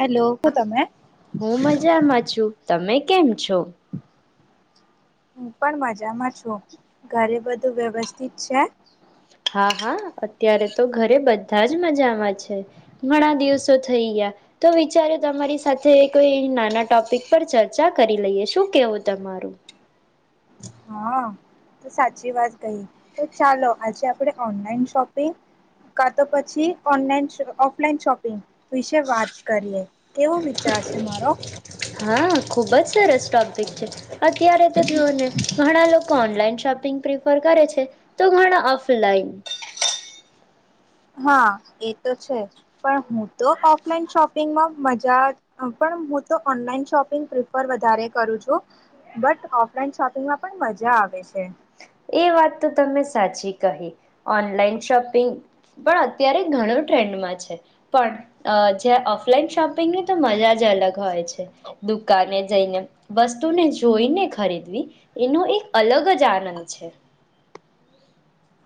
Hello તમે હું મજામાં છું તમે કેમ છો હું પણ મજામાં છું ઘરે બધું વ્યવસ્થિત છે હા હા અત્યારે તો ઘરે બધા જ મજામાં છે ઘણા દિવસો થઈ ગયા તો વિચારયો તમારી સાથે કોઈ નાના ટોપિક પર ચર્ચા કરી લઈએ શું કેવું તમારું હા તો સાચી વાત કઈ તો ચાલો આજે આપણે ઓનલાઈન શોપિંગ કા તો પછી ઓનલાન ઓફલાઈન શોપિંગ વિશે વાત કરીએ કેવો વિચાર છે મારો હા ખૂબ જ સરસ ટોપિક છે અત્યારે તો જોઓને ઘણા લોકો ઓન ઓનલાઇન શોપિંગ પ્રિફર કરે છે તો ઘણા ઓફલાઈન હા એ તો છે પણ હું તો ઓફલાઈન શોપિંગમાં મજા પણ હું તો ઓનલાઈન શોપિંગ પ્રિફર વધારે કરું છું બટ ઓફલાઈન શોપિંગમાં પણ મજા આવે છે એ વાત તો તમે સાચી કહી ઓનલાઈન શોપિંગ પણ અત્યારે ઘણું ટ્રેન્ડમાં છે પણ જે ઓફલાઈન શોપિંગની તો મજા જ અલગ હોય છે દુકાને જઈને વસ્તુને જોઈને ખરીદવી એનો એક અલગ જ આનંદ છે.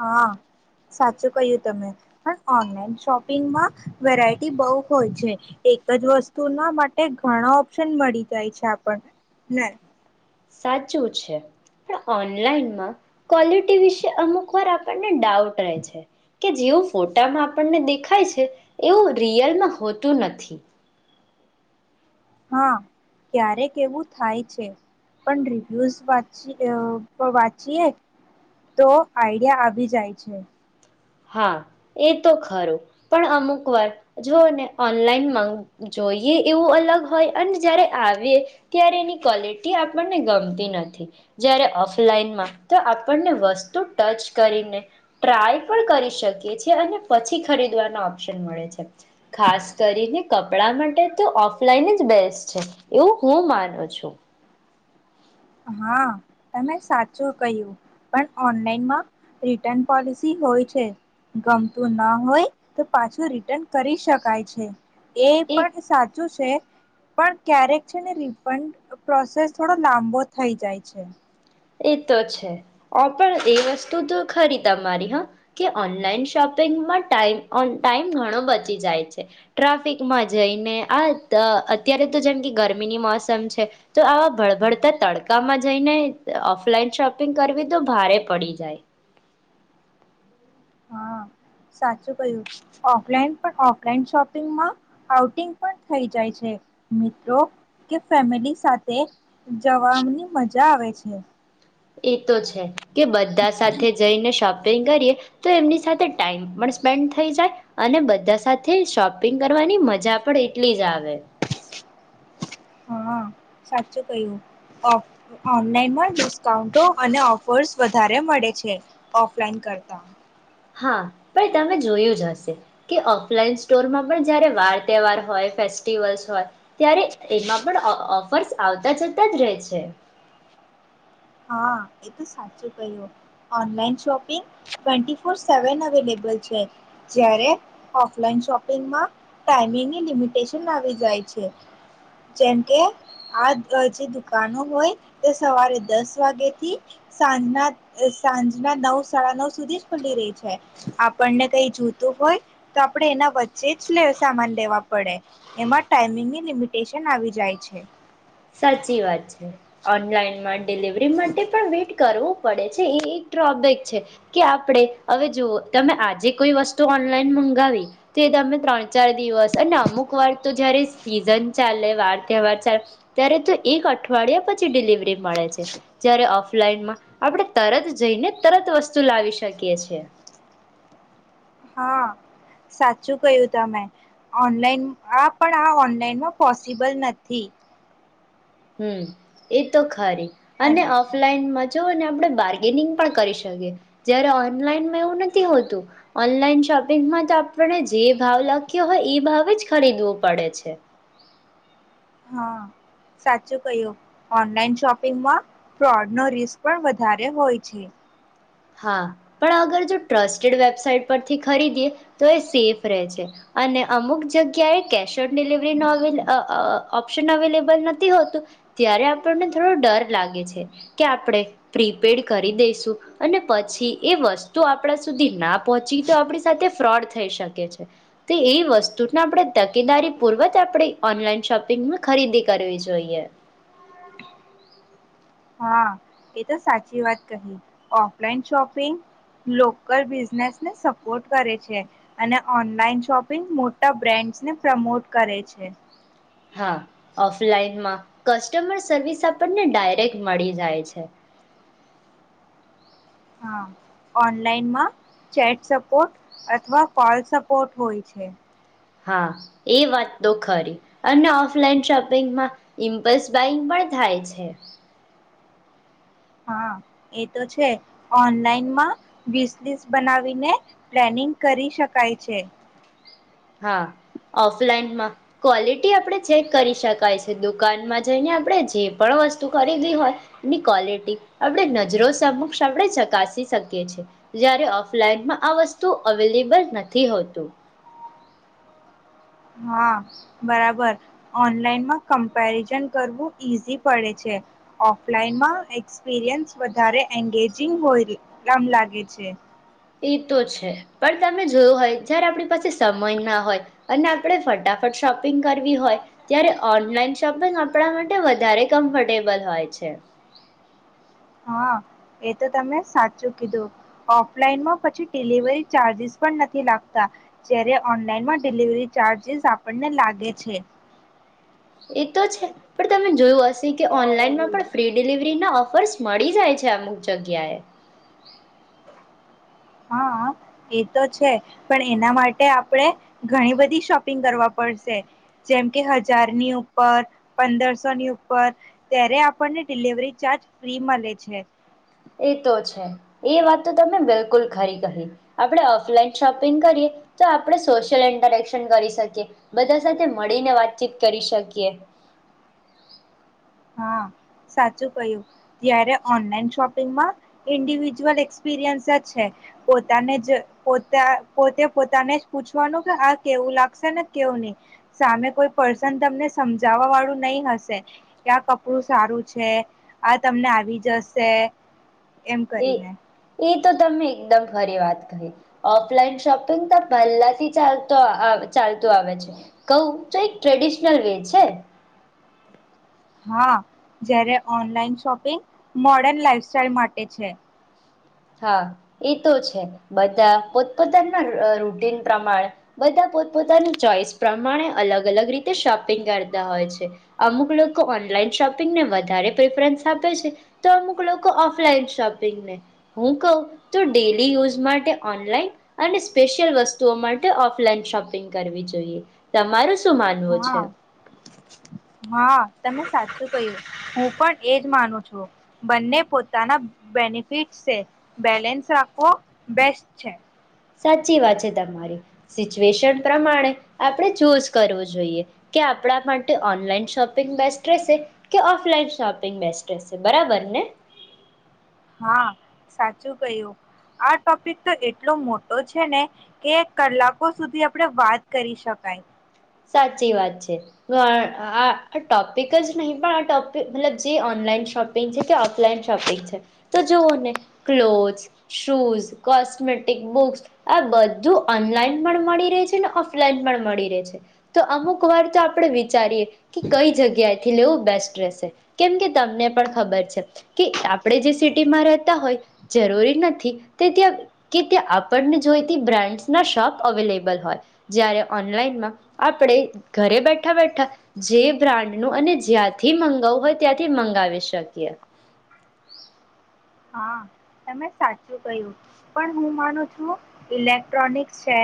હા સાચું ક્યું તમે પણ ઓનલાઈન શોપિંગમાં વેરાયટી બહુ હોય છે એક જ વસ્તુના માટે ઘણા ઓપ્શન મળી જાય છે આપણ ને સાચું છે પણ ઓનલાઈનમાં ક્વોલિટી વિશે અમુક વાર આપણને ડાઉટ રહે છે કે જેવું ફોટામાં આપણને દેખાય છે એવું રિયલમાં હોતું નથી હા ક્યારેક એવું થાય છે પણ રિવ્યુઝ વાચી અ વાંચીએ તો આઈડિયા આવી જાય છે હા એ તો ખરું પણ અમુક વાર જોને ઓનલાઈન મંગા જોઈએ એવું અલગ હોય અને જ્યારે આવીએ ત્યારે એની ક્વલિટી આપણને ગમતી નથી જ્યારે ઓફલાઈનમાં તો આપણને વસ્તુ ટચ કરીને ટ્રાય પણ કરી શકી છી અને પછી ખરીદવાનો ઓપ્શન મળે છે ખાસ કરીને કપડા માટે તો ઓફલાઈન જ બેસ્ટ છે એવું હું માનું છું હા તમે સાચું કહ્યું પણ ઓનલાઈનમાં રિટર્ન પોલિસી હોય છે ગમતું ન હોય તો પાછું રિટર્ન કરી શકાય છે એ એ પણ સાચું છે પણ ક્યારેક છે ને રિફંડ પ્રોસેસ થોડો લાંબો થઈ જાય છે એ તો છે પણ એ વસ્તુ તો ખરી તમારી હા કે ઓનલાઈન શોપિંગમાં ટાઈમ ઓન ટાઈમ ઘણો બચી જાય છે ટ્રાફિકમાં જઈને આ અત્યારે તો જેમ કે ગરમીની મોસમ છે તો આવા ભળભડતા તડકામાં જઈને ઓફલાઈન શોપિંગ કરવી તો ભારે પડી જાય હા સાચું કહયું ઓફલાઈન પણ ઓફલાઈન શોપિંગમાં આઉટિંગ પણ થઈ જાય છે મિત્રો કે ફેમિલી સાથે જવાની મજા આવે છે એ તો છે કે બધા સાથે જઈને શોપિંગ કરીએ તો એમની સાથે ટાઈમ પણ સ્પેન્ડ થઈ જાય અને બધા સાથે શોપિંગ કરવાની મજા પણ એટલી જ આવે હા સાચું કયું ઓફ ઓનલાઈનમાં ડિસ્કાઉન્ટો અને ઓફર્સ વધારે મળે છે ઓફલાઈન કરતા હા પણ તમે જોયું જ હશે કે ઓફલાઈન સ્ટોરમાં પણ જયારે વાર તહેવાર હોય ફેસ્ટિવલ્સ હોય ત્યારે એમાં પણ ઓફર્સ આવતા જતા જ રહે છે હા એ તો સાચું કહ્યું online shopping twenty four seven available છે જ્યારે ઓફલાઈન શોપિંગમાં ટાઈમિંગની લિમિટેશન આવી જાય છે જેમકે આ જે દુકાનો હોય તે સવારે દસ દસ વાગે થી સાંજના સાંજના નવ સાઢા નવ સુધી જ ખુલી રહી છે આપણને કઈ જોતું હોય તો આપણે એના વચ્ચે જ સામાન લેવા પડે એમાં ટાઈમિંગની લિમિટેશન આવી જાય છે સાચી વાત છે ઓનલાઈનમાં ડિલિવરી માટે પણ વેઇટ કરવું પડે છે એ એક ડ્રોબેક છે કે આપણે હવે જોવો તમે આજે કોઈ વસ્તુ ઓનલાઈન મંગાવી તો એ તમે ત્રણ ચાર દિવસ અને અમુક વાર તો જયારે સીઝન ચાલે વાર તહેવાર ચા ત્યારે તો એક અઠવાડિયા પછી ડિલિવરી મળે છે. જ્યારે ઓફલાઈનમાં આપણે તરત જઈને તરત વસ્તુ લાવી શકીએ છે. હા સાચું કયું તમેં ઓનલાઈન આ પણ આ ઓનલાઈનમાં પોસિબલ નથી. હમ્મ, એ તો ખરી. અને ઓફલાઈનમાં જો અને આપણે બાર્ગેનિંગ પણ કરી શકીએ. જયારે ઓનલાઈનમાં એવું નથી હોતું. ઓનલાઈન શોપિંગમાં તો આપણે જે ભાવ લખ્યો હોય એ ભાવ જ ખરીદવો પડે છે. હા સાચું કય્યું ઓનલાઈન શોપિંગમાં ફ્રોડ નો રિસ્ક પણ વધારે હોય છે. હા પણ અગર જો ટ્રસ્ટેડ વેબસાઈટ પરથી ખરીદીએ તો એ સેફ રહે છે અને અમુક જગ્યાએ કેશ ઓન ડિલવરીનો અવે ઓ ઓ ઓપ્શન અવેલેબલ નથી હોતું, ત્યારે આપણને થોડો ડર લાગે છે કે આપણે પ્રીપેડ કરી દઈશું. અને પછી એ વસ્તુ આપણા સુધી ના પહોંચી તો આપણી સાથે ફ્રોડ થઈ શકે છે. તો એ વસ્તુને આપણે તકેદારી પૂર્વક આપણે ઓનલાઈન શોપિંગમાં ખરીદી કરવી જોઈએ. હા એ તો સાચી વાત કહી. ઓફલાઈન શોપિંગ લોકલ બિઝનેસને સપોર્ટ કરે છે અને ઓનલાઈન શોપિંગ મોટા બ્રાન્ડને પ્રમોટ કરે છે. હા ઓફલાઈનમાં કસ્ટમર સર્વિસ આપણને ડાયરેક્ટ મળી જાય છે. હા ઓનલાઈનમાં ચેટ સપોર્ટ અથવા કોલ સપોર્ટ હોય છે. હા એ વાત તો ખરી અને ઓફલાઈન શોપિંગમાં ઇમ્પલ્સ બાઈંગ પણ થાય છે. હા એ તો છે ઓનલાઈનમાં વિસ લિસ્ટ બનાવીને પ્લાનિંગ કરી શકાય છે. હા ઓફલાઈનમાં ક્વોલિટી આપણે ચેક કરી શકાય છે દુકાનમાં જઈને આપણે જે પણ વસ્તુ ખરીદી હોય એની ક્વલિટી આપણે નજરો સમક્ષ આપણે ચકાસી શકીએ છીએ. જારે ઓફલાઈનમાં આ વસ્તુ અવેલેબલ નથી હોતું. હા બરાબર. ઓનલાઈનમાં ક્પેરઝન કરવું ઈઝી પડે છે. ઓફલાઈનમાં એક્સપિરયન્સ વધારે અંગેજીંગ હોય શ્રમ લાગે છે. એ તો છે પણ તમે જોયું હોય જયારે આપણી પાસે સમય ના હોય અને આપણે ફટાફટ શોપિંગ કરવી હોય ત્યારે ઓનલાઈન શોપિંગ આપણા માટે વધારે કમ્ફર્ટેબલ હોય છે. હા એ તો તમે સાચું કીધું ઓફલાઈનમાં પછ ડિલિવરી ચાર્જસ પણ નથી લાગતા જ્યારે ઓનલાઈનમાં ડિલિવરી ચાર્જસ આપણને લાગે છે. એ તો છે પણ તમે જોયું હશે કે ઓનલાઈનમાં પણ ફ્રી ડિલિવરી ના ઓ ફર્સ મળી જાય છે અમુક જગ્યાએ. હા એ તો છે પણ એના માટે આપણે ઘણી બધી શોપિંગ કરવા પડશે. જેમ કે હજારની ઉપર પંદરસોની ઉપર ત્યારે આપણને ડિલિવરી ચાર્જ ફ્રી મળે છે. એ તો છે એ વાત તમે બિલકુલ ખરી કહી આપણે ઓફલાઈન શોપિંગ કરીએ તો આપણે સોશિયલ ઇન્ટરેક્શન કરી શકીએ બધા સાથે મળીને વાતચીત કરી શકીએ. હા સાચું કય્યું. ત્યારે ઓનલાઈન શોપિંગમાં ઇન્ડિવિજ્યુઅલ એક્સપિરિયન્સ જ છે પોતાને જ પો પોતે પોતાને જ પૂછવાનું કે આ કેવું લાગશે ને કેવું નહી સામે કોઈ પર્સન તમને સમજાવવા વાળું નહી હશે. ક્યાં કપડું સારું છે, આ તમને આવી જશે. એમ એ કરીને. એ તો તમે એકદમ ફરી વાત કહી ઓફલાઈન શોપિંગ તો પહેલાથી ચાલતો ચાલતું આવે છે કવ તો એક ટ્રેડિશનલ વે છે. હા જયારે ઓનલાઈન શોપિંગ મોર્ડર્ન લાઈફાઈલ માટે છે. હા એ તો છે બધા પોતપોતાના રૂટીન પ્રમાણે બધા પોતપોતાની ચોઈસ પ્રમાણે અલગ અલગ રીતે શોપિંગ કરતા હોય છે. અમુક લોકો ઓનલાઈન શોપિંગને વધારે પ્રેફરન્સ આપે છે તો અમુક લોકો ઓફલાઈન શોપિંગને. હું કહું તો ડેલી યુઝ માટે ઓનલાઈન અને સ્પેશિયલ વસ્તુઓ માટે ઓફલાઈન શોપિંગ કરવી જોઈએ. તમારું શું માનવું હા છે? હા તમે સાચું કહ્યું હું પણ એજ માનું છું બંને પોતાના બેનિફિટ છે બેલેન્સ રાખવો બેસ્ટ છે. સાચી વાત છે તમારી. સિચ્યુએશન પ્રમાણે આપણે ચુઝ કરવું જોઈએ કે આપણા માટે ઓનલાઈન શોપિંગ બેસ્ટ રહેશે કે ઓફલાઈન શોપિંગ બેસ્ટ રહેશે. બરાબર ને? હા સાચું કય્યું આ ટોપિક તો એટલો મોટો છે ને કે કલાકો સુધી આપણે વાત કરી શકાય. સાચી વાત છે. આ ટોપિક જ નહી પણ આ ટોપ મતલબ જે ઓનલાઈન શોપિંગ છે તે ઓફલાઈન શોપિંગ છે. તો જોઓ ને ક્લોથસ, શૂઝ, કોસ્મેટિક, બુક્સ આ બધું ઓનલાઈન પણ મળી રહે છે ને ઓફલાઈન પણ મળી રહે છે. તો અમુક વાર તો આપણે વિચારીએ કે કઈ જગ્યાએથી લેવું બેસ્ટ રહેશે. કેમ કે તમને પણ ખબર છે કે આપણે જે સિટીમાં રહેતા હોય જરૂરી નથી તે ત્યાં કે ત્યાં આપણને જોઈતી બ્રાન્ડ ના શોપ અવેલેબલ હોય જ્યારે ઓનલાઈનમાં આપણે ઘરે બેઠા બેઠા જે બ્રાન્ડનું અને જ્યાંથી મંગાવું હોય ત્યાંથી મંગાવી શકીએ. હા તમે સાચું કહ્યું. પણ હું માનું છું ઇલેક્ટ્રોનિક્સ છે,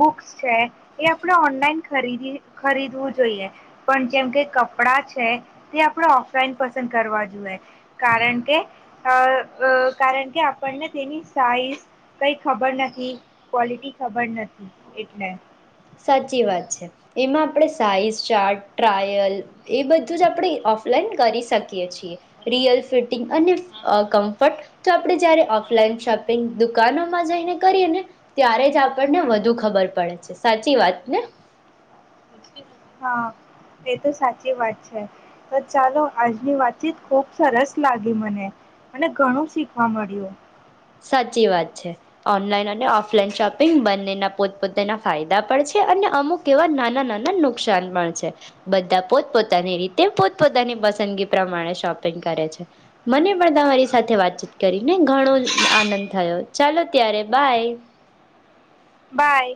બુક્સ છે. એ આપડ ઓનલાઈન ખરીદી ખરીદવું જોઈએ. પણ જેમકે કપડાં છે તે આપણે ઓફલાઈન પસંદ કરવા જોએ. કારણ કે અ અ કારણ કે આપણને તેની સાઈઝ કઈ ખબર નથી, ક્વોલિટી ખબર નથી એટલે. સાચી વાત છે. એમાં આપણે સાઈઝ, ચાર્ટ, ટ્રાયલ એ બધું જ આપણે ઓફલાઈન કરી શકીએ છીએ. રિયલ ફિટિંગ અને કમ્ફર્ટ તો આપણે જયારે ઓફલાઈન શોપિંગ દુકાનોમાં જઈને કરીએ ને ત્યારે જ આપણને વધુ ખબર પડે છે. સાચી વાત ને? હા એ તો સાચી વાત છે. તો ચાલો આજની વાતચીત ખુબ સરસ લાગી મને અને ઘણું શીખવા મળ્યું. સાચી વાત છે. ઓનલાઈન અને ઓફલાઈન શોપિંગ બંનેના પોતપોતાના ફાયદા પણ છે અને અમુક એવા નાના નાના નુકસાન પણ છે. બધા પોતપોતાની રીતે પોતપોતાની પસંદગી પ્રમાણે શોપિંગ કરે છે. મને પણ તમારી સાથે વાતચીત કરીને ઘણું આનંદ થયો ચાલો ત્યારે બાય બાય